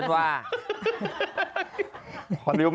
สวัสดีค่ะ